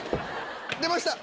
出ました！